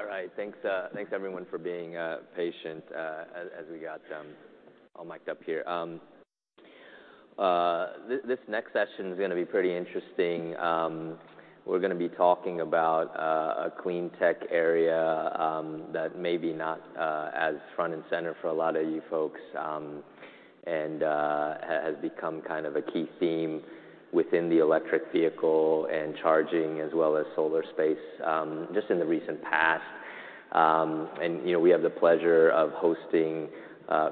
All right. Thanks, thanks everyone for being patient as we got all mic'd up here. This next session is gonna be pretty interesting. We're gonna be talking about a clean tech area that may be not as front and center for a lot of you folks and has become kind of a key theme within the electric vehicle and charging as well as solar space just in the recent past. You know, we have the pleasure of hosting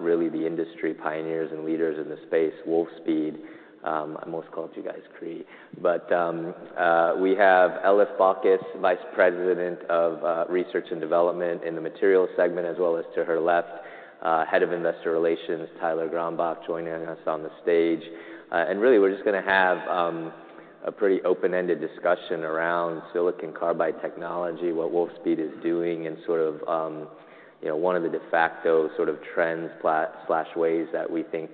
really the industry pioneers and leaders in the space, Wolfspeed. I almost called you guys Cree. We have Elif Balkas, Vice President of Research and Development in the materials segment, as well as to her left, Head of Investor Relations, Tyler Grych, joining us on the stage. Really we're just gonna have a pretty open-ended discussion around silicon carbide technology, what Wolfspeed is doing, and sort of, you know, one of the de facto sort of trends sla-slash ways that we think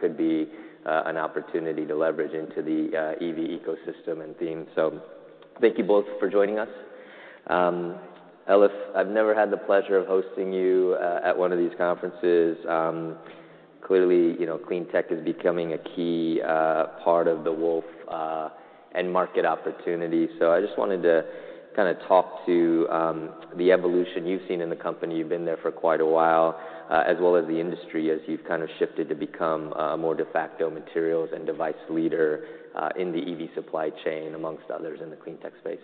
could be an opportunity to leverage into the EV ecosystem and theme. Thank you both for joining us. Elif, I've never had the pleasure of hosting you at one of these conferences. Clearly, you know, clean tech is becoming a key part of the Wolf end market opportunity. I just wanted to kind a talk to, the evolution you've seen in the company, you've been there for quite a while, as well as the industry as you've kind of shifted to become a more de facto materials and device leader, in the EV supply chain, amongst others in the clean tech space.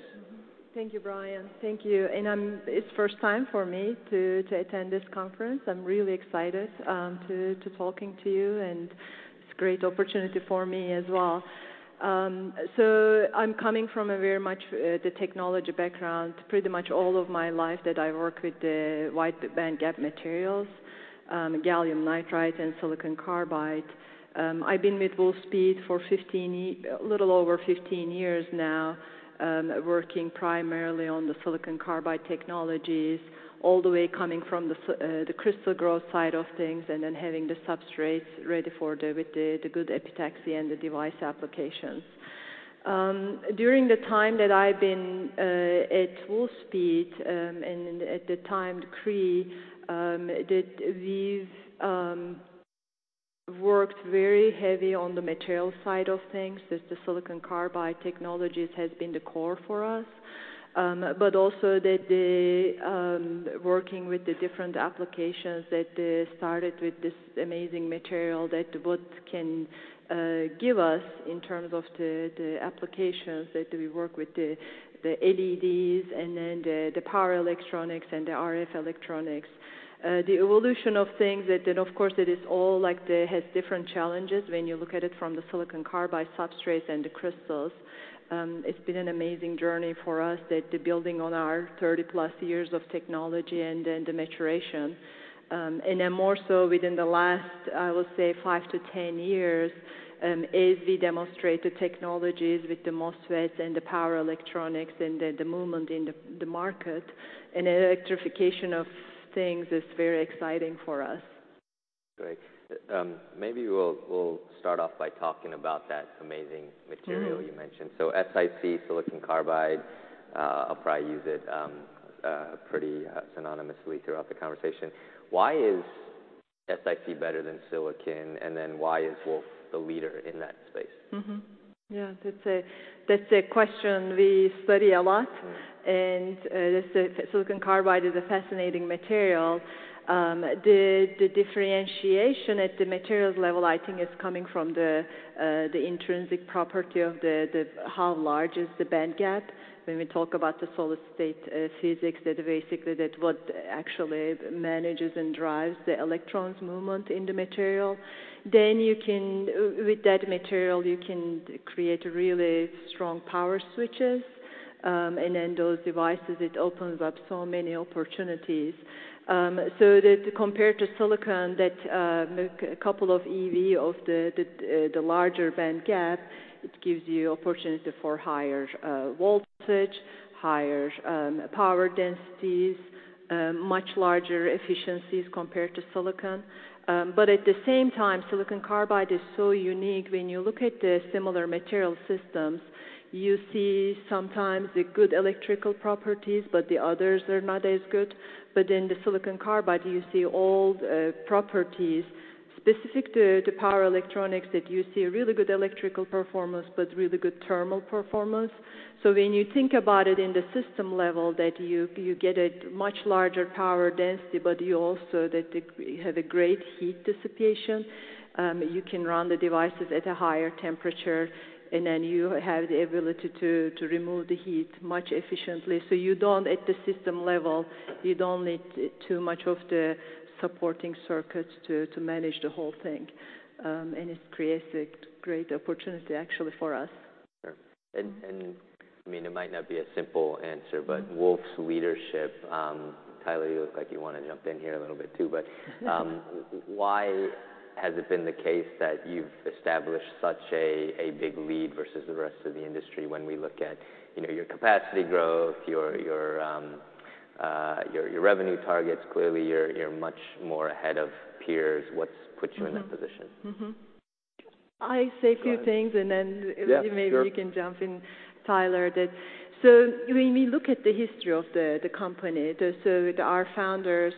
Thank you, Brian. Thank you. It's first time for me to attend this conference. I'm really excited to talking to you, and it's great opportunity for me as well. I'm coming from a very much the technology background pretty much all of my life that I work with the wide bandgap materials, gallium nitride and silicon carbide. I've been with Wolfspeed for a little over 15 years now, working primarily on the silicon carbide technologies all the way coming from the crystal growth side of things, and then having the substrates ready for the, with the good epitaxy and the device applications. During the time that I've been at Wolfspeed, and at the time Cree, we've worked very heavy on the material side of things as the silicon carbide technologies has been the core for us. Also that the working with the different applications that started with this amazing material that what can give us in terms of the applications that we work with the LEDs and then the power electronics and the RF electronics. The evolution of things that then of course it is all like has different challenges when you look at it from the silicon carbide substrates and the crystals. It's been an amazing journey for us that the building on our 30-plus years of technology and then the maturation. Then more so within the last, I would say 5 to 10 years, as we demonstrate the technologies with the MOSFETs and the power electronics and the movement in the market and electrification of things is very exciting for us. Great. Maybe we'll start off by talking about that amazing material you mentioned. SiC, silicon carbide, I'll probably use it pretty synonymously throughout the conversation. Why is SiC better than silicon? Why is Wolf the leader in that space? Yeah. That's a, that's a question we study a lot. Silicon carbide is a fascinating material. The differentiation at the materials level I think is coming from the intrinsic property of the how large is the bandgap. When we talk about the solid state physics that basically what actually manages and drives the electrons' movement in the material. You can with that material you can create really strong power switches, and then those devices, it opens up so many opportunities. Compared to silicon that a couple of EV of the larger bandgap, it gives you opportunity for higher voltage, higher power densities, much larger efficiencies compared to silicon. At the same time, silicon carbide is so unique when you look at the similar material systems, you see sometimes the good electrical properties, but the others are not as good. In the silicon carbide, you see all properties specific to the power electronics that you see really good electrical performance, but really good thermal performance. When you think about it in the system level that you get a much larger power density, but you also have a great heat dissipation. You can run the devices at a higher temperature, and then you have the ability to remove the heat much efficiently. You don't, at the system level, you don't need too much of the supporting circuits to manage the whole thing. It creates a great opportunity actually for us. Sure. I mean, it might not be a simple answer. Wolf's leadership, Tyler, you look like you wanna jump in here a little bit too. Why has it been the case that you've established such a big lead versus the rest of the industry when we look at, you know, your capacity growth, your revenue targets? Clearly you're much more ahead of peers. What's put you in that position? I say few things and then Yeah, sure. maybe you can jump in, Tyler. When we look at the history of the company, our founders,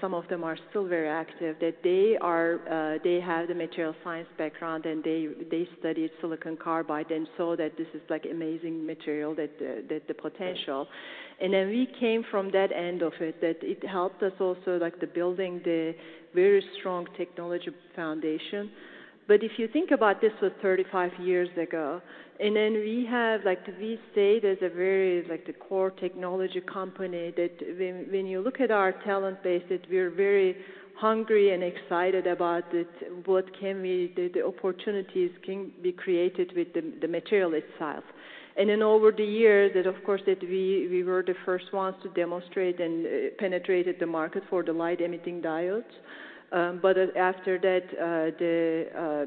some of them are still very active, that they are, they have the material science background, and they studied silicon carbide and saw that this is like amazing material that the potential. Yeah. We came from that end of it, that it helped us also like the building the very strong technology foundation. If you think about this was 35 years ago, we have like we stay as a very like the core technology company that when you look at our talent base, that we're very hungry and excited about it, the opportunities can be created with the material itself. Over the years that of course that we were the first ones to demonstrate and penetrated the market for the light-emitting diodes. After that,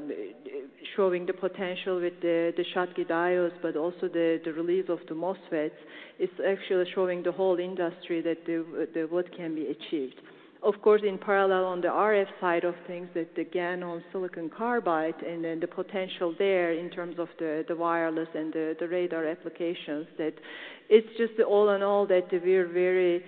showing the potential with the Schottky diodes, but also the release of the MOSFET, it's actually showing the whole industry that what can be achieved. Of course, in parallel on the RF side of things with the GaN on silicon carbide, and then the potential there in terms of the wireless and the radar applications, that it's just all in all that we're very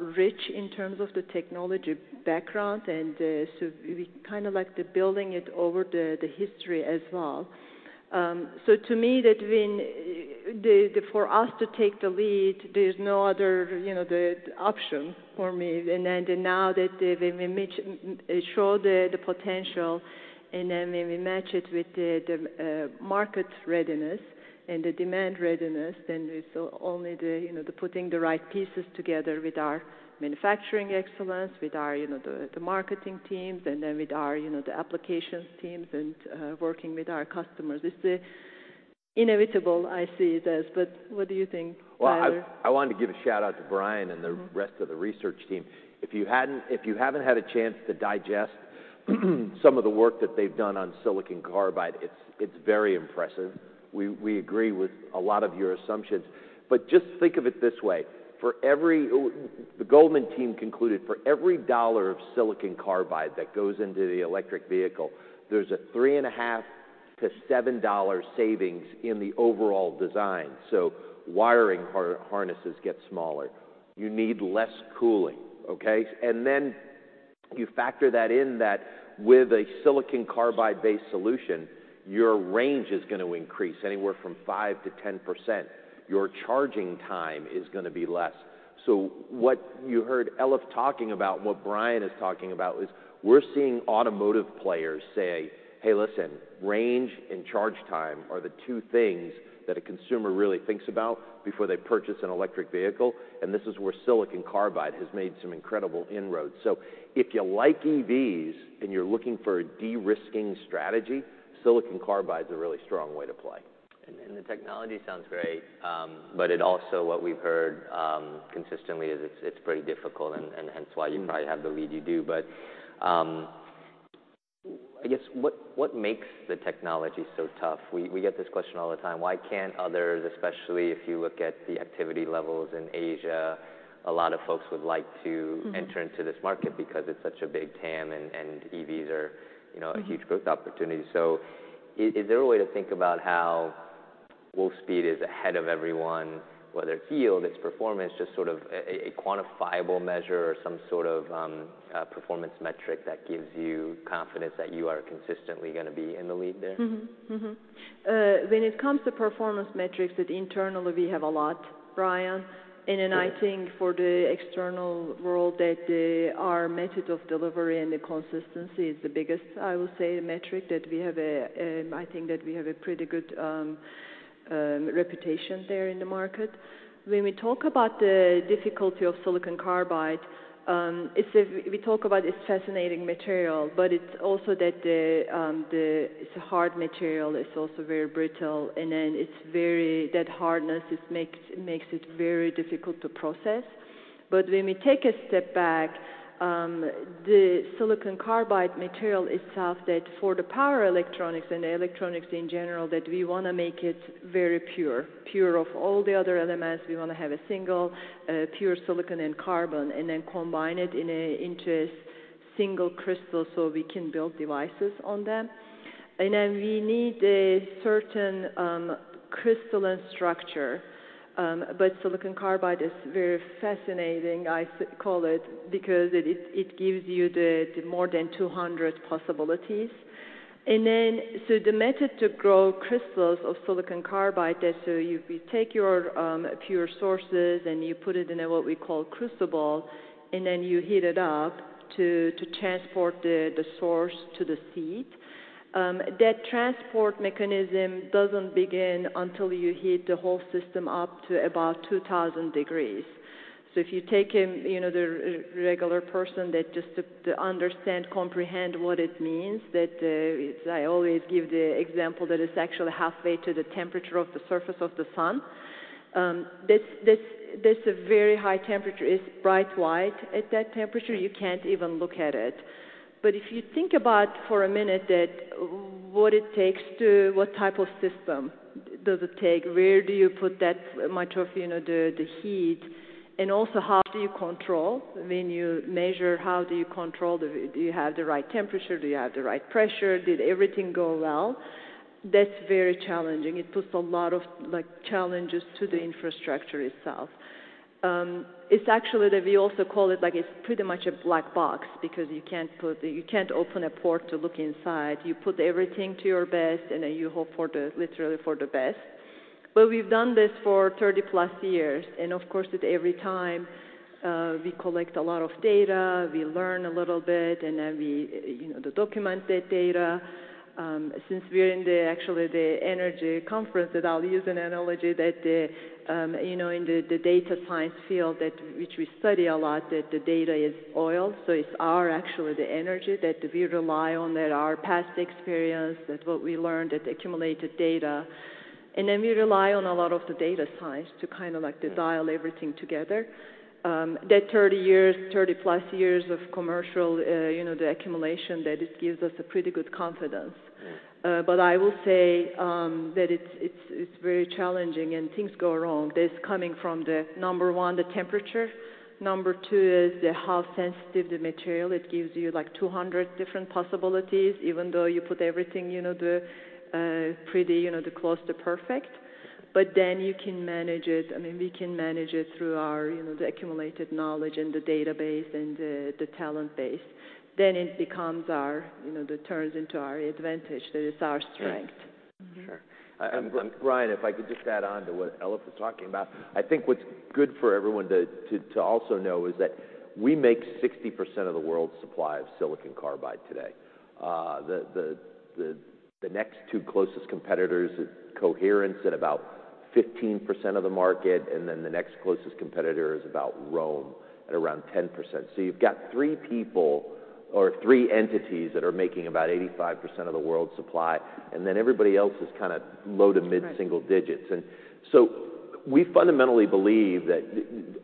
rich in terms of the technology background, and so we kind a like the building it over the history as well. To me that for us to take the lead, there's no other, you know, the option for me. Now that we show the potential and then when we match it with the market readiness and the demand readiness, then it's only the, you know, the putting the right pieces together with our manufacturing excellence, with our, you know, the marketing teams, and then with our, you know, the applications teams and working with our customers. It's inevitable, I see this. What do you think, Tyler? Well, I wanted to give a shout-out to Brian... and the rest of the research team. If you haven't had a chance to digest some of the work that they've done on silicon carbide, it's very impressive. We agree with a lot of your assumptions. Just think of it this way. The Goldman team concluded for every dollar of silicon carbide that goes into the electric vehicle, there's a three and a half to $7 savings in the overall design. Wiring harnesses get smaller. You need less cooling, okay? You factor that in that with a silicon carbide-based solution, your range is gonna increase anywhere from 5 to 10%. Your charging time is gonna be less. What you heard Elif talking about, what Brian is talking about is we're seeing automotive players say, "Hey, listen, range and charge time are the two things that a consumer really thinks about before they purchase an electric vehicle." This is where silicon carbide has made some incredible inroads. If you like EVs and you're looking for a de-risking strategy, silicon carbide is a really strong way to play. The technology sounds great, but it also what we've heard consistently is it's pretty difficult and hence why you probably have the lead you do. I guess, what makes the technology so tough? We get this question all the time. Why can't others, especially if you look at the activity levels in Asia, a lot of folks would like to enter into this market because it's such a big TAM and EVs are, you know- a huge growth opportunity. Is there a way to think about how Wolfspeed is ahead of everyone, whether it's yield, it's performance, just sort of a quantifiable measure or some sort of, a performance metric that gives you confidence that you are consistently gonna be in the lead there? When it comes to performance metrics that internally we have a lot, Brian. I think for the external world our method of delivery and the consistency is the biggest, I would say, metric that we have a, I think that we have a pretty good reputation there in the market. When we talk about the difficulty of silicon carbide, We talk about it's fascinating material, but it's also that, it's a hard material. It's also very brittle, and then That hardness, it makes it very difficult to process. When we take a step back, the silicon carbide material itself that for the power electronics and the electronics in general, that we wanna make it very pure. Pure of all the other elements. We wanna have a single, pure silicon and carbon, then combine it into a single crystal so we can build devices on them. We need a certain crystalline structure, silicon carbide is very fascinating, I call it, because it gives you the more than 200 possibilities. The method to grow crystals of silicon carbide, you take your pure sources and you put it in a what we call crucible, then you heat it up to transport the source to the seed. That transport mechanism doesn't begin until you heat the whole system up to about 2,000 degrees. If you take in, you know, the regular person that just to understand, comprehend what it means, that it's. I always give the example that it's actually halfway to the temperature of the surface of the sun. That's a very high temperature. It's bright white at that temperature. You can't even look at it. If you think about for a minute that what it takes to what type of system does it take? Where do you put that much of, you know, the heat? Also, how do you control? When you measure, how do you control the? Do you have the right temperature? Do you have the right pressure? Did everything go well? That's very challenging. It puts a lot of, like, challenges to the infrastructure itself. it's actually that we also call it, like it's pretty much a black box because you can't open a port to look inside. You put everything to your best, and then you hope for the literally for the best. we've done this for 30-plus years, and of course at every time, we collect a lot of data, we learn a little bit, and then we, you know, document that data. since we're in the actually the energy conference that I'll use an analogy that, you know, in the data science field which we study a lot, that the data is oil. it's our actually the energy that we rely on, that our past experience, that what we learned, that accumulated data. We rely on a lot of the data science to kind of like to dial everything together. That 30 years, 30-plus years of commercial, you know, the accumulation, that it gives us a pretty good confidence. Yeah. I will say that it's very challenging and things go wrong. That's coming from the, number one, the temperature. Number two is the how sensitive the material. It gives you like 200 different possibilities even though you put everything, you know, pretty, you know, close to perfect. You can manage it. I mean, we can manage it through our, you know, accumulated knowledge and the database and the talent base. It becomes our, you know, that turns into our advantage. That is our strength. Thank you. Sure. Brian, if I could just add on to what Elif was talking about, I think what's good for everyone to also know is that we make 60% of the world's supply of silicon carbide today. The next 2 closest competitors is Coherent at about 15% of the market, and then the next closest competitor is about ROHM at around 10%. So you've got 3 people or 3 entities that are making about 85% of the world's supply, and then everybody else is kind of low to mid. That's right. single digits. We fundamentally believe that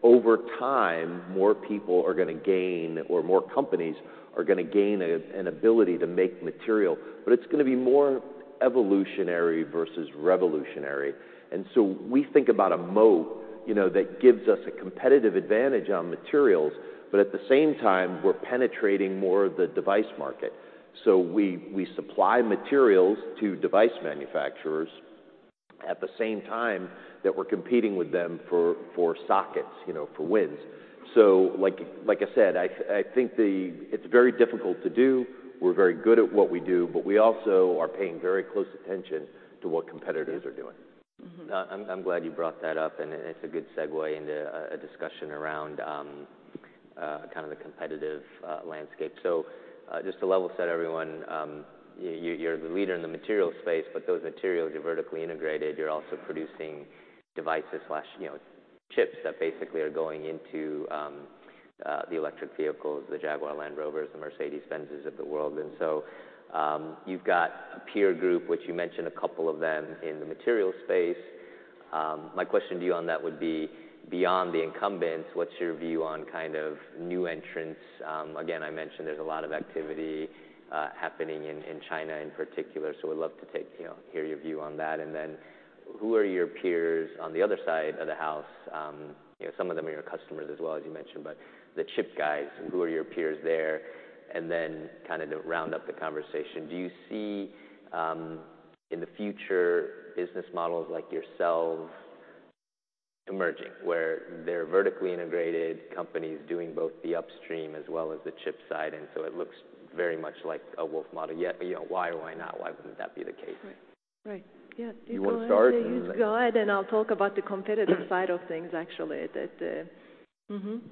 over time, more people are gonna gain or more companies are gonna gain an ability to make material, but it's gonna be more evolutionary versus revolutionary. We think about a moat, you know, that gives us a competitive advantage on materials, but at the same time, we're penetrating more of the device market. We supply materials to device manufacturers at the same time that we're competing with them for sockets, you know, for wins. Like I said, I think it's very difficult to do. We're very good at what we do, but we also are paying very close attention to what competitors are doing. I'm glad you brought that up, and it's a good segue into a discussion around kind of the competitive landscape. Just to level set everyone, you're the leader in the material space, but those materials, you're vertically integrated. You're also producing devices/you know, chips that basically are going into the electric vehicles, the Jaguar Land Rover, the Mercedes-Benz of the world. You've got a peer group, which you mentioned a couple of them in the material space. My question to you on that would be, beyond the incumbents, what's your view on kind of new entrants? Again, I mentioned there's a lot of activity happening in China in particular. We'd love to you know, hear your view on that. Who are your peers on the other side of the house? you know, some of them are your customers as well, as you mentioned, but the chip guys, who are your peers there? Kind of to round up the conversation, do you see, in the future business models like yourselves emerging, where they're vertically integrated companies doing both the upstream as well as the chip side, and so it looks very much like a Wolf model? you know, why or why not? Why wouldn't that be the case? Right. Right. Yeah. You wanna start and then You go ahead, and I'll talk about the competitive side of things actually. That.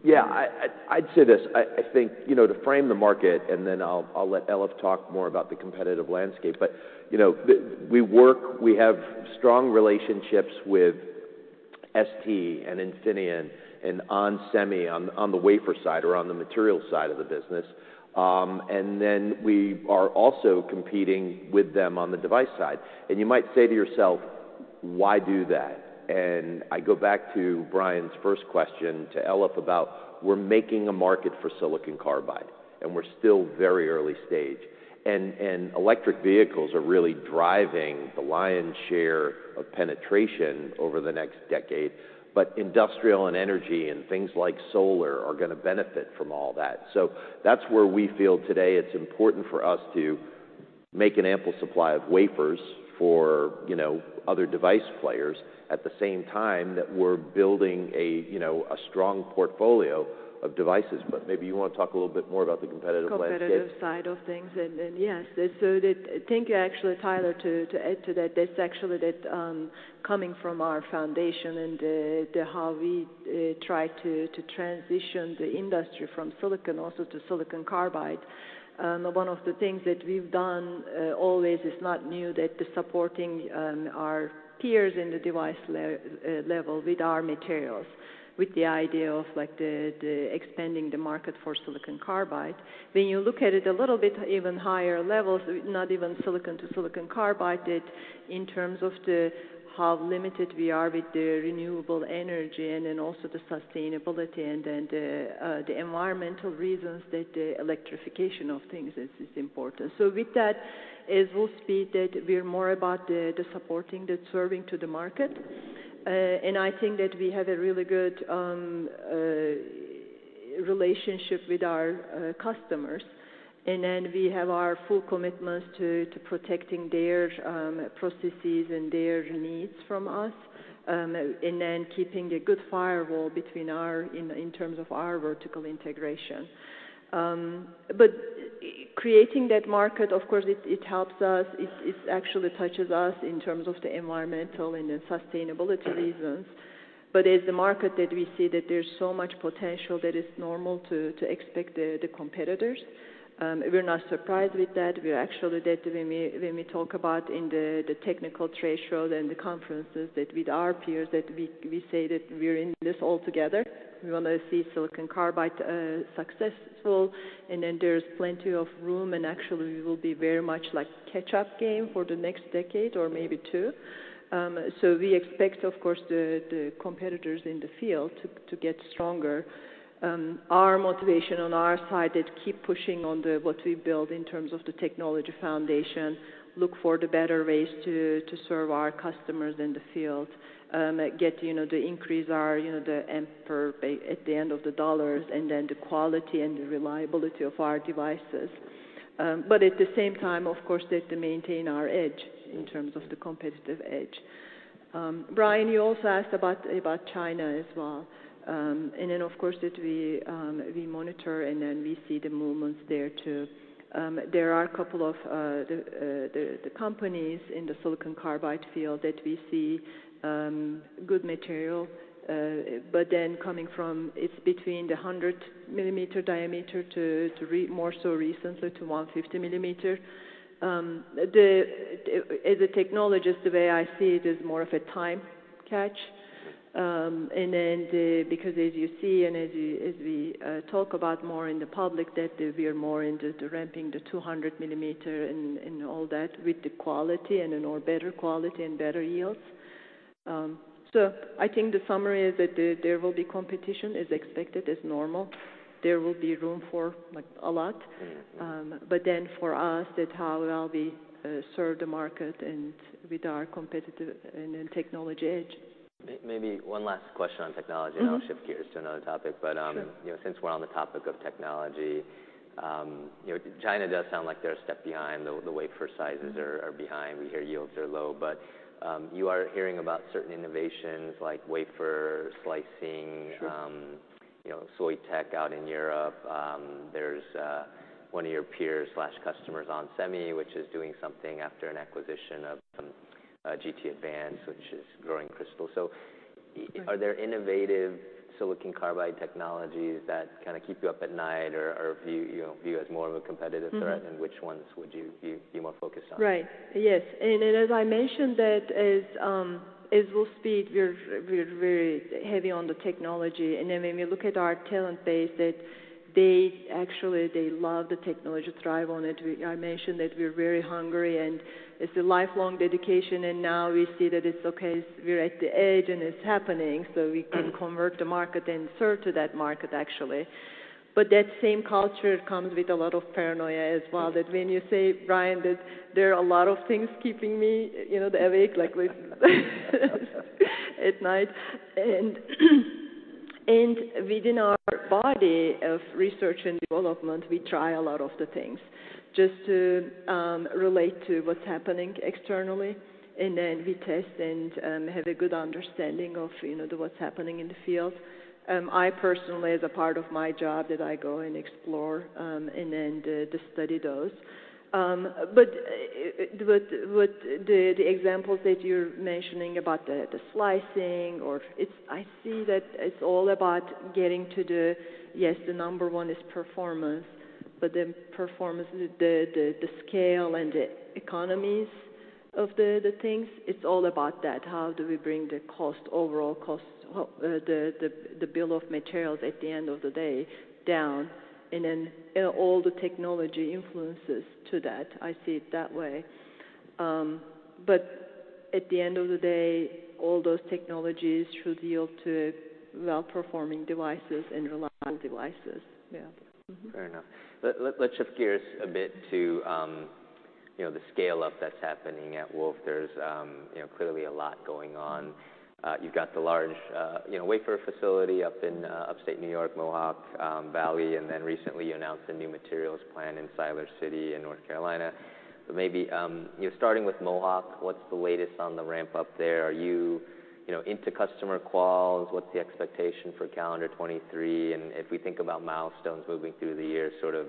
Yeah. I'd say this. I think, you know, to frame the market, then I'll let Elif talk more about the competitive landscape. You know, we work, we have strong relationships with STMicroelectronics and Infineon Technologies and onsemi on the wafer side or on the material side of the business. Then we are also competing with them on the device side. You might say to yourself, "Why do that?" I go back to Brian's first question to Elif about we're making a market for silicon carbide, and we're still very early stage. Electric vehicles are really driving the lion's share of penetration over the next decade, but industrial and energy and things like solar are gonna benefit from all that. That's where we feel today it's important for us to make an ample supply of wafers for, you know, other device players at the same time that we're building a, you know, a strong portfolio of devices. Maybe you wanna talk a little bit more about the competitive landscape. Competitive side of things and yes. Thank you, actually, Tyler, to add to that. That's actually that, coming from our foundation and the how we try to transition the industry from silicon also to silicon carbide. One of the things that we've done always is not new, that supporting our peers in the device level with our materials, with the idea of like expanding the market for silicon carbide. When you look at it a little bit even higher levels, not even silicon to silicon carbide, that in terms of the how limited we are with the renewable energy and then also the sustainability and then the environmental reasons that the electrification of things is important. With that, at Wolfspeed that we're more about the supporting, the serving to the market. I think that we have a really good relationship with our customers. We have our full commitments to protecting their processes and their needs from us, and then keeping a good firewall in terms of our vertical integration. Creating that market, of course, it helps us. It, it actually touches us in terms of the environmental and the sustainability reasons. As the market that we see that there's so much potential that is normal to expect the competitors, we're not surprised with that. We actually that when we talk about in the technical threshold and the conferences that with our peers that we say that we're in this all together. We wanna see silicon carbide successful, and then there's plenty of room, and actually we will be very much like catch up game for the next decade or maybe two. We expect, of course, the competitors in the field to get stronger. Our motivation on our side is keep pushing on what we build in terms of the technology foundation, look for the better ways to serve our customers in the field, get, you know, to increase our, you know, the amp per, at the end of the dollars, and then the quality and the reliability of our devices. At the same time, of course, that to maintain our edge in terms of the competitive edge. Brian, you also asked about China as well. Of course that we monitor, and then we see the movements there too. There are a couple of the companies in the silicon carbide field that we see good material, but then coming from it's between the 100mm diameter to more so recently to 150mm. As a technologist, the way I see it is more of a time catch, and then because as you see and as we talk about more in the public that we are more into the ramping the 200mm and all that with the quality and better quality and better yields. I think the summary is that there will be competition, is expected, it's normal. There will be room for, like, a lot. Yeah. For us it how well we serve the market and with our competitive and technology edge. Maybe one last question on technology. I'll shift gears to another topic. Sure you know, since we're on the topic of technology, you know, China does sound like they're a step behind. The wafer sizes are behind. We hear yields are low. You are hearing about certain innovations like wafer slicing. Sure you know, Soitec out in Europe. There's one of your peers/customers, onsemi, which is doing something after an acquisition of some GT Advanced, which is growing crystal. Are there innovative silicon carbide technologies that kind a keep you up at night or view, you know, view as more of a competitive threat? Which ones would you be more focused on? Right. Yes. As I mentioned that as Wolfspeed, we're very heavy on the technology. When we look at our talent base that they actually, they love the technology, thrive on it. I mentioned that we're very hungry, it's a lifelong dedication, now we see that it's okay. We're at the edge, it's happening, we can convertible the market and serve to that market actually. That same culture comes with a lot of paranoia as well, that when you say, Brian, that there are a lot of things keeping me, you know, awake, like with at night. Within our body of research and development, we try a lot of the things just to relate to what's happening externally, and then we test and have a good understanding of, you know, what's happening in the field. I personally, as a part of my job that I go and explore and then study those. With the examples that you're mentioning about the slicing, or I see that it's all about getting to the. Yes, the number one is performance, but then performance, the scale and the economies of things, it's all about that. How do we bring the cost, overall cost, the bill of materials at the end of the day down, and then all the technology influences to that. I see it that way. At the end of the day, all those technologies should yield to well-performing devices and reliable devices. Yeah. Fair enough. Let's shift gears a bit to, you know, the scale-up that's happening at Wolf. There's, you know, clearly a lot going on. You've got the large, you know, wafer facility up in upstate New York, Mohawk Valley, and then recently you announced a new materials plant in Siler City in North Carolina. Maybe, you know, starting with Mohawk, what's the latest on the ramp-up there? Are you know, into customer quals? What's the expectation for calendar 2023? If we think about milestones moving through the year, sort of,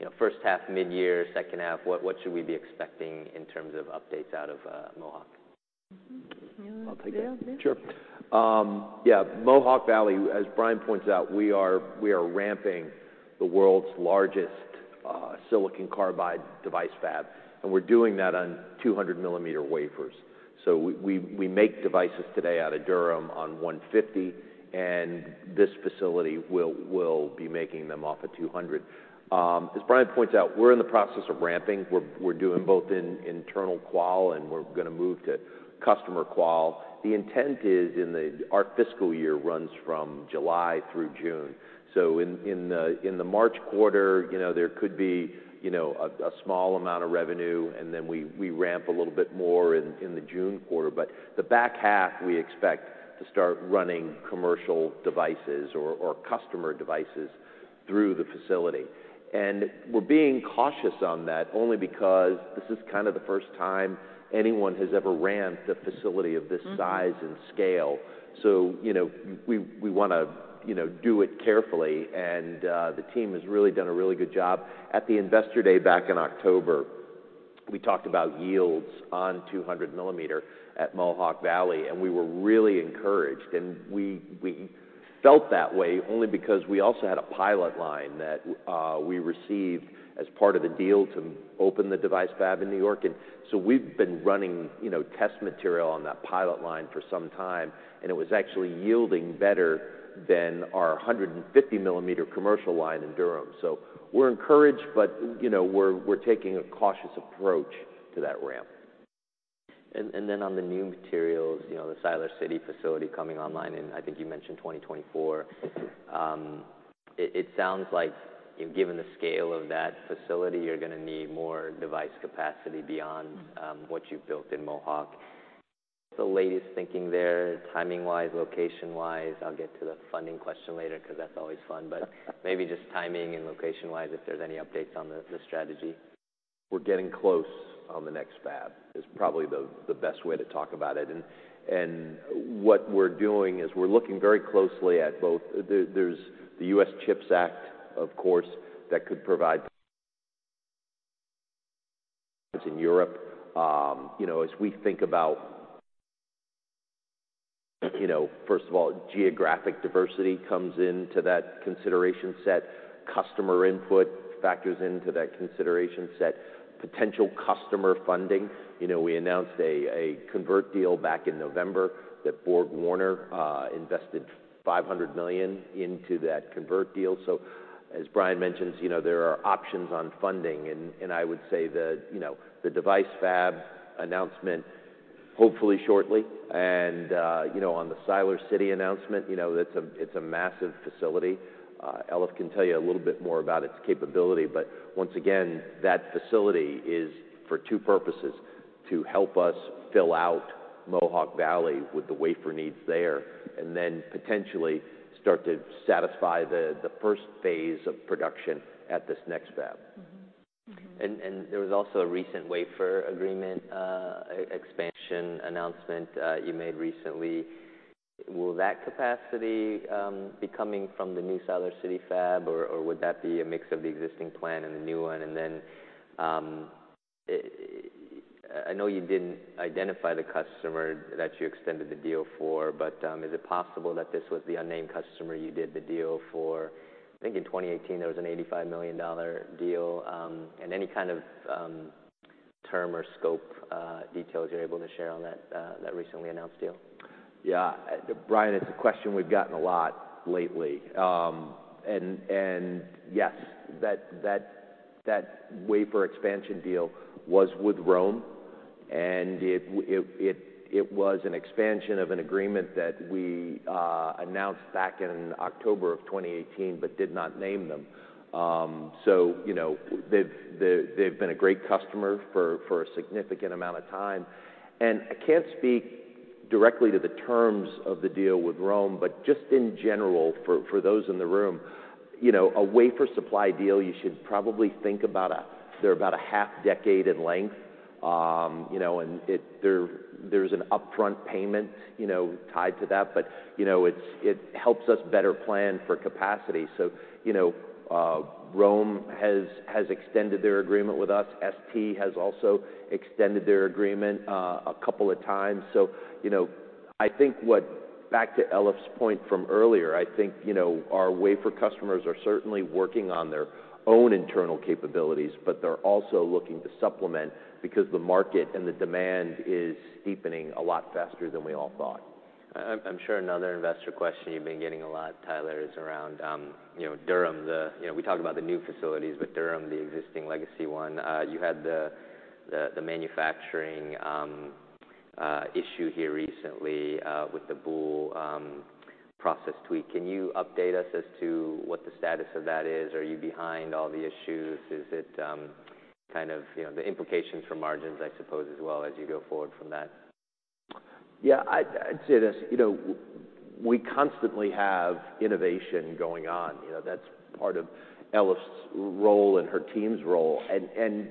you know, H1, midyear, H2, what should we be expecting in terms of updates out of Mohawk? You wanna. I'll take that. Yeah, please. Sure. Yeah, Mohawk Valley, as Brian points out, we are ramping the world's largest silicon carbide device fab, and we're doing that on 200mm wafers. We make devices today out of Durham on 150, and this facility will be making them off of 200. As Brian points out, we're in the process of ramping. We're doing both in internal qual, and we're gonna move to customer qual. The intent is Our fiscal year runs from July through June. In the March quarter, you know, there could be, you know, a small amount of revenue, and then we ramp a little bit more in the June quarter. The back half we expect to start running commercial devices or customer devices through the facility. We're being cautious on that only because this is kind of the first time anyone has ever ramped a facility of this size. and scale. You know, we wanna, you know, do it carefully, and the team has really done a really good job. At the Investor Day back in October. We talked about yields on 200mm at Mohawk Valley, and we were really encouraged. We felt that way only because we also had a pilot line that we received as part of the deal to open the device fab in New York. We've been running, you know, test material on that pilot line for some time, and it was actually yielding better than our 150mm commercial line in Durham. We're encouraged, but, you know, we're taking a cautious approach to that ramp. Then on the new materials, you know, the Siler City facility coming online in, I think you mentioned 2024. It sounds like given the scale of that facility, you're gonna need more device capacity beyond what you've built in Mohawk. What's the latest thinking there timing-wise, location-wise? I'll get to the funding question later because that's always fun. Maybe just timing and location-wise, if there's any updates on the strategy. We're getting close on the next fab is probably the best way to talk about it. What we're doing is we're looking very closely at There's the U.S. CHIPS Act, of course, that could provide in Europe. You know, as we think about, you know, first of all, geographic diversity comes into that consideration set. Customer input factors into that consideration set. Potential customer funding. You know, we announced a convert deal back in November that BorgWarner invested $500 million into that convert deal. As Brian mentions, you know, there are options on funding, and I would say the, you know, the device fab announcement hopefully shortly. On the Siler City announcement, you know, it's a massive facility. Elif can tell you a little bit more about its capability, but once again, that facility is for 2 purposes, to help us fill out Mohawk Valley with the wafer needs there, and then potentially start to satisfy the first phase of production at this next fab. There was also a recent wafer agreement e-expansion announcement you made recently. Will that capacity be coming from the new Siler City fab, or would that be a mix of the existing plan and the new one? Then I know you didn't identify the customer that you extended the deal for, but is it possible that this was the unnamed customer you did the deal for? I think in 2018 there was an $85 million deal. Any kind of term or scope details you're able to share on that recently announced deal? Yeah. Brian, it's a question we've gotten a lot lately. Yes, that wafer expansion deal was with ROHM, and it was an expansion of an agreement that we announced back in October of 2018 but did not name them. You know, they've been a great customer for a significant amount of time. I can't speak directly to the terms of the deal with ROHM, but just in general, for those in the room, you know, a wafer supply deal, you should probably think about they're about a half decade in length. You know, and there's an upfront payment, you know, tied to that. You know, it helps us better plan for capacity. You know, ROHM has extended their agreement with us. STMicroelectronics has also extended their agreement, a couple of times. You know, I think Back to Elif's point from earlier, I think, you know, our wafer customers are certainly working on their own internal capabilities, but they're also looking to supplement because the market and the demand is steepening a lot faster than we all thought. I'm sure another investor question you've been getting a lot, Tyler, is around, you know, Durham. You know, we talked about the new facilities, but Durham, the existing legacy one, you had the manufacturing issue here recently, with the boule process tweak. Can you update us as to what the status of that is? Are you behind all the issues? Is it, kind of, you know, the implications for margins, I suppose, as well as you go forward from that? I'd say this, you know, we constantly have innovation going on. You know, that's part of Elif's role and her team's role.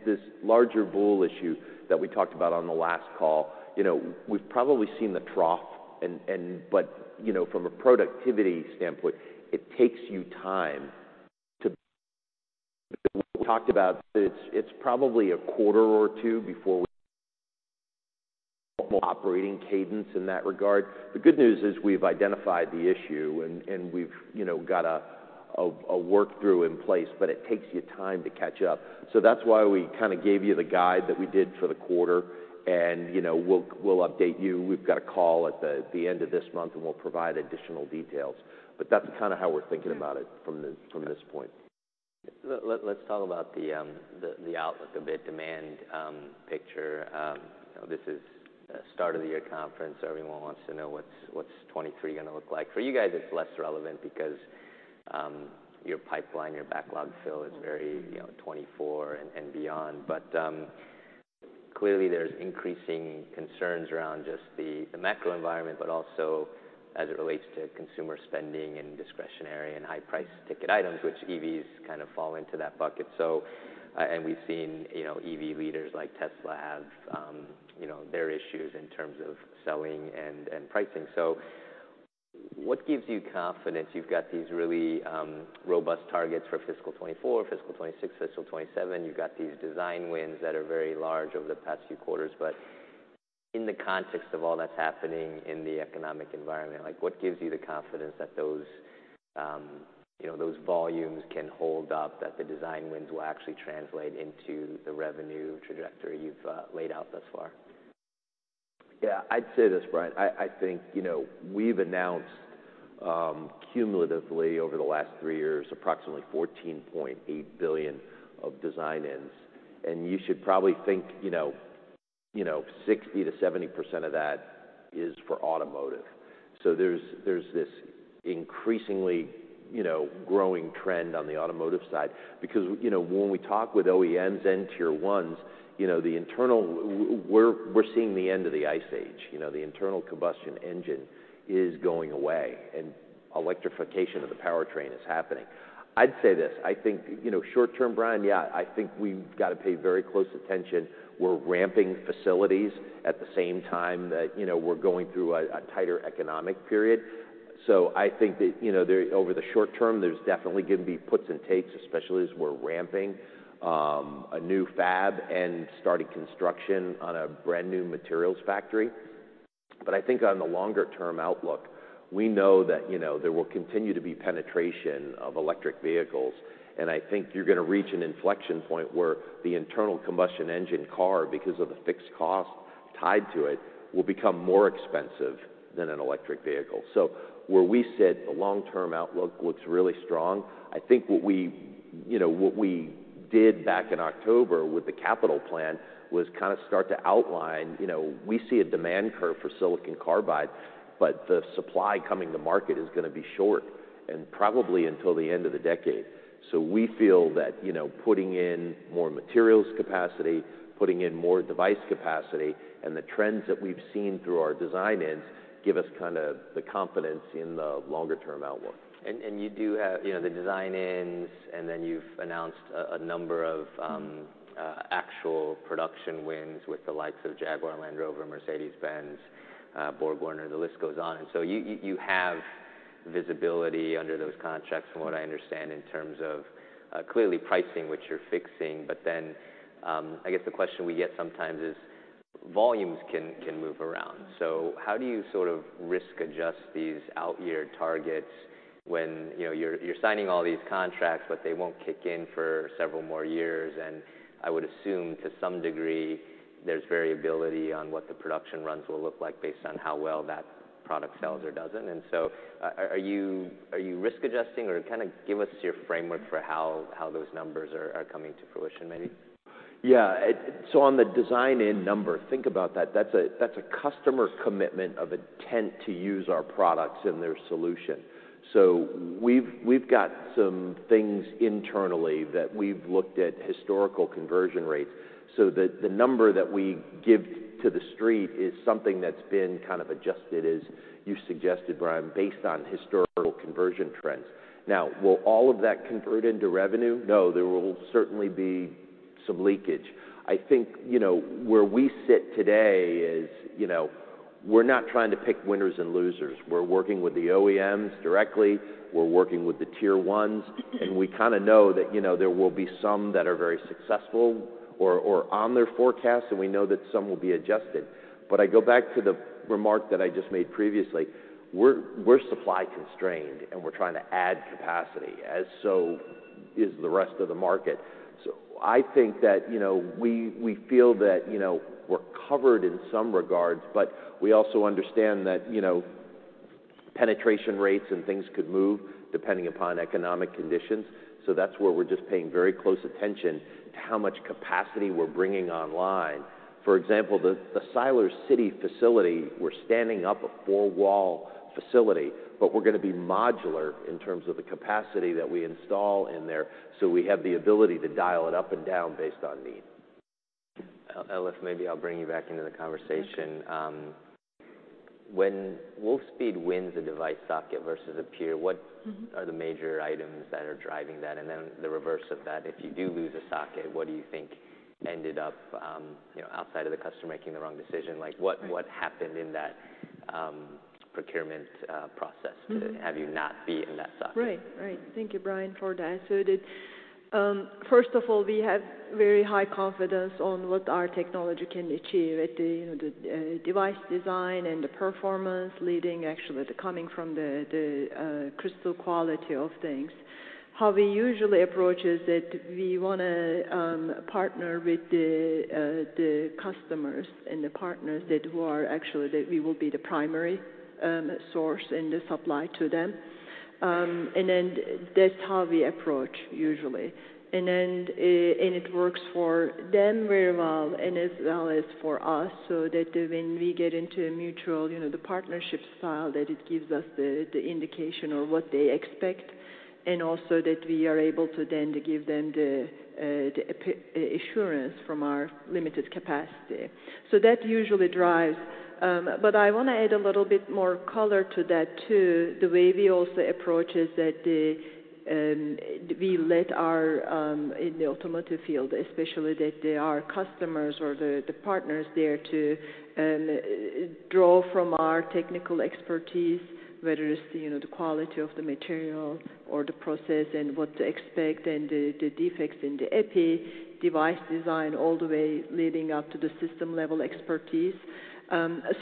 This larger boule issue that we talked about on the last call, you know, we've probably seen the trough and. You know, from a productivity standpoint, it takes you time to. We talked about it's probably a quarter or 2 before we operating cadence in that regard. The good news is we've identified the issue and we've, you know, got a work-through in place, but it takes you time to catch up. That's why we kind of gave you the guide that we did for the quarter, you know, we'll update you. We've got a call at the end of this month, and we'll provide additional details. That's kind of how we're thinking about it from this, from this point. Let's talk about the outlook a bit, demand picture. You know, this is a start of the year conference, so everyone wants to know what's 23 gonna look like. For you guys it's less relevant because your pipeline, your backlog fill is very, you know, 24 and beyond. Clearly there's increasing concerns around just the macro environment, but also as it relates to consumer spending and discretionary and high price ticket items, which EVs kind of fall into that bucket. And we've seen, you know, EV leaders like Tesla have, you know, their issues in terms of selling and pricing. What gives you confidence? You've got these really robust targets for fiscal 24, fiscal 26, fiscal 27. You've got these design wins that are very large over the past few quarters. In the context of all that's happening in the economic environment, like, what gives you the confidence that those, you know, those volumes can hold up, that the design-ins will actually translate into the revenue trajectory you've laid out thus far? Yeah. I'd say this, Brian. I think, you know, we've announced, cumulatively over the last three years approximately $14.8 billion of design-ins. You should probably think, you know, 60 to 70% of that is for automotive. There's this increasingly, you know, growing trend on the automotive side because, you know, when we talk with OEMs and Tier 1, you know, we're seeing the end of the ICE Age. You know, the internal combustion engine is going away. Electrification of the powertrain is happening. I'd say this: I think, you know, short term, Brian, yeah, I think we've gotta pay very close attention. We're ramping facilities at the same time that, you know, we're going through a tighter economic period. I think that, you know, there over the short term, there's definitely gonna be puts and takes, especially as we're ramping a new fab and starting construction on a brand-new materials factory. I think on the longer term outlook, we know that, you know, there will continue to be penetration of electric vehicles, and I think you're gonna reach an inflection point where the internal combustion engine car, because of the fixed cost tied to it, will become more expensive than an electric vehicle. Where we sit, the long-term outlook looks really strong. I think what we, you know, what we did back in October with the capital plan was kind of start to outline, you know, we see a demand curve for silicon carbide, but the supply coming to market is gonna be short and probably until the end of the decade. We feel that, you know, putting in more materials capacity, putting in more device capacity, and the trends that we've seen through our design-ins give us kind the confidence in the longer-term outlook. You do have, you know, the design-ins, and then you've announced a number of actual production wins with the likes of Jaguar and Land Rover, Mercedes-Benz, BorgWarner. The list goes on. So you have visibility under those contracts from what I understand in terms of clearly pricing, which you're fixing. Then I guess the question we get sometimes is volumes can move around. How do you sort of risk adjust these out-year targets when, you know, you're signing all these contracts but they won't kick in for several more years? I would assume to some degree there's variability on what the production runs will look like based on how well that product sells or doesn't. So are you risk adjusting? kind a give us your framework for how those numbers are coming to fruition maybe? Yeah. On the design-in number, think about that. That's a customer commitment of intent to use our products in their solution. We've got some things internally that we've looked at historical conversion rates so that the number that we give to the street is something that's been kind of adjusted, as you suggested, Brian, based on historical conversion trends. Will all of that convertible into revenue? There will certainly be some leakage. I think, you know, where we sit today is, you know, we're not trying to pick winners and losers. We're working with the OEMs directly. We're working with the Tier 1. We kind a know that, you know, there will be some that are very successful or on their forecasts, and we know that some will be adjusted. I go back to the remark that I just made previously. We're supply constrained, and we're trying to add capacity, as so is the rest of the market. I think that, you know, we feel that, you know, we're covered in some regards, but we also understand that, you know, penetration rates and things could move depending upon economic conditions. That's where we're just paying very close attention to how much capacity we're bringing online. For example, the Siler City facility, we're standing up a four-wall facility, but we're gonna be modular in terms of the capacity that we install in there, so we have the ability to dial it up and down based on need. Elif, maybe I'll bring you back into the conversation. When Wolfspeed wins a device socket versus a peer, what? are the major items that are driving that? The reverse of that, if you do lose a socket, what do you think ended up, you know, outside of the customer making the wrong decision? Right. what happened in that, procurement, process to have you not be in that socket? Right. Right. Thank you, Brian, for that. First of all, we have very high confidence on what our technology can achieve at the, you know, the device design and the performance leading, actually coming from the crystal quality of things. How we usually approach is that we wanna partner with the customers and the partners that who are actually we will be the primary source in the supply to them. That's how we approach usually. It works for them very well and as well as for us so that when we get into a mutual, you know, the partnership style, that it gives us the indication of what they expect, and also that we are able to then give them the assurance from our limited capacity. That usually drives. I wanna add a little bit more color to that too. The way we also approach is that the, we let our, in the automotive field especially, that they're our customers or the partners there to, draw from our technical expertise, whether it's the, you know, the quality of the material or the process and what to expect and the defects in the epi device design, all the way leading up to the system-level expertise.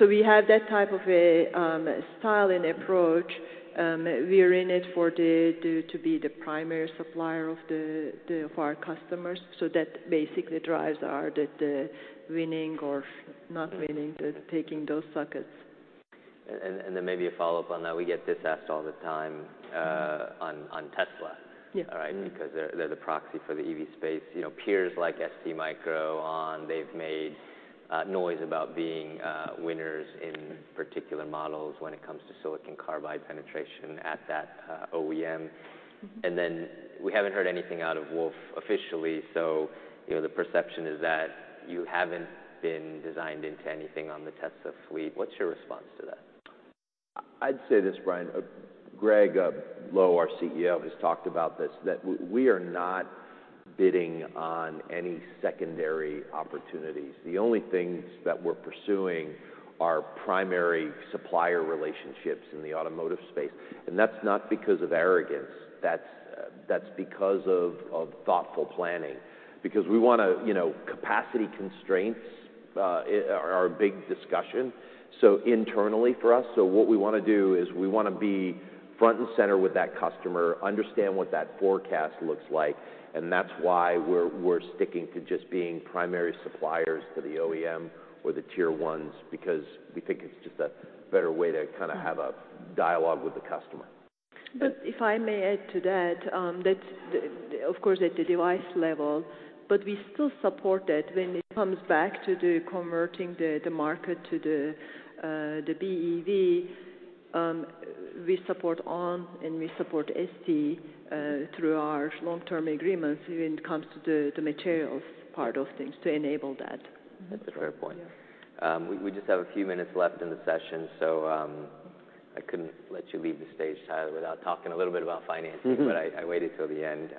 We have that type of a, style and approach. We are in it for the, to be the primary supplier of the, for our customers. That basically drives our the winning or not winning taking those sockets. Then maybe a follow-up on that. We get this asked all the time, on Tesla. Yeah. All right? Because they're the proxy for the EV space. You know, peers like STMicro, ON, they've made noise about being winners in particular models when it comes to silicon carbide penetration at that OEM. We haven't heard anything out of Wolfspeed officially, so, you know, the perception is that you haven't been designed into anything on the Tesla fleet. What's your response to that? I'd say this, Brian. Gregg Lowe, our CEO, has talked about this, that we are not bidding on any secondary opportunities. The only things that we're pursuing are primary supplier relationships in the automotive space. That's not because of arrogance. That's because of thoughtful planning. You know, capacity constraints are a big discussion, internally for us. What we wanna do is we wanna be front and center with that customer, understand what that forecast looks like. That's why we're sticking to just being primary suppliers to the OEM or the Tier 1 because we think it's just a better way to kind a have a dialogue with the customer. If I may add to that of course at the device level, but we still support that when it comes back to converting the market to the BEV. We support ON and we support STMicroelectronics through our long-term agreements when it comes to the materials part of things to enable that. That's a fair point. Yeah. We just have a few minutes left in the session, so I couldn't let you leave the stage, Tyler, without talking a little bit about financing. I waited till the end.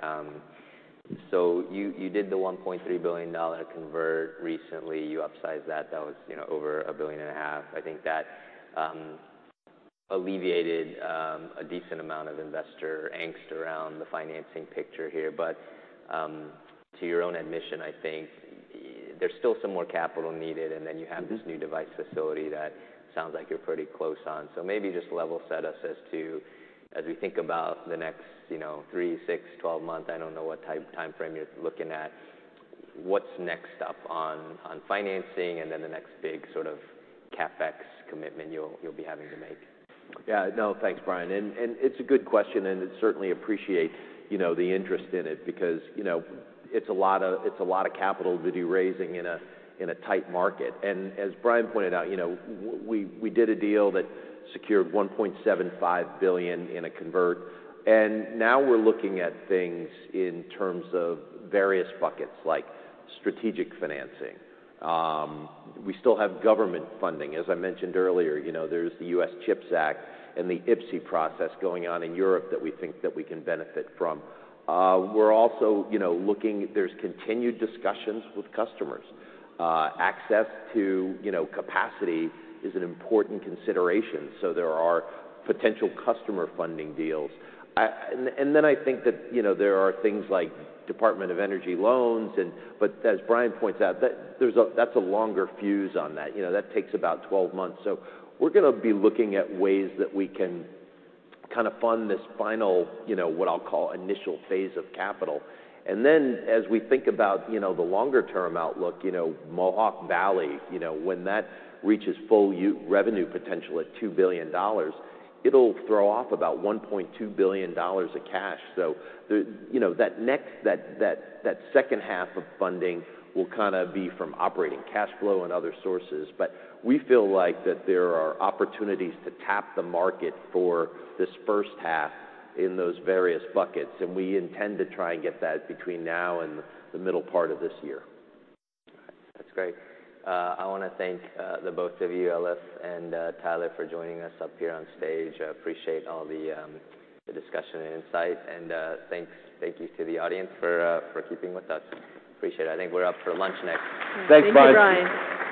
You did the $1.3 billion convertible recently. You upsized that. That was, you know, over $1.5 billion. I think that alleviated a decent amount of investor angst around the financing picture here, to your own admission, I think there's still some more capital needed. this new device facility that sounds like you're pretty close on. Maybe just level set us as to, as we think about the next, you know, three, six, 12 months, I don't know what time, timeframe you're looking at, what's next up on financing, and then the next big sort of CapEx commitment you'll be having to make? Yeah, no, thanks, Brian. It's a good question, and certainly appreciate, you know, the interest in it because, you know, it's a lotta capital to do raising in a tight market. As Brian pointed out, you know, we did a deal that secured $1.75 billion in a convert, and now we're looking at things in terms of various buckets like strategic financing. We still have government funding. As I mentioned earlier, you know, there's the US CHIPS Act and the IPCEI process going on in Europe that we think that we can benefit from. We're also, you know, looking. There's continued discussions with customers. Access to, you know, capacity is an important consideration, so there are potential customer funding deals. Then I think that, you know, there are things like Department of Energy loans. As Brian points out, that, there's a, that's a longer fuse on that. You know, that takes about 12 months. We're gonna be looking at ways that we can kind of fund this final, you know, what I'll call initial phase of capital. As we think about, you know, the longer term outlook, you know, Mohawk Valley, you know, when that reaches full revenue potential at $2 billion, it'll throw off about $1.2 billion of cash. The, you know, that next, that H2 of funding will kind of be from operating cash flow and other sources. We feel like that there are opportunities to tap the market for this H1 in those various buckets, and we intend to try and get that between now and the middle part of this year. All right. That's great. I wanna thank the both of you, Elif and Tyler, for joining us up here on stage. I appreciate all the discussion and insight and thank you to the audience for keeping with us. Appreciate it. I think we're up for lunch next. Thanks, Brian. Thank you, Brian.